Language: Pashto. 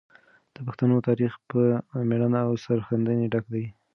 د پښتنو تاریخ په مړانه او سرښندنې ډک دی.